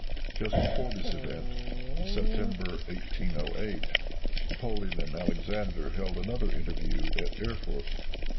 Just before this event, in September, 1808, Napoleon and Alexander held another interview at Erfurth.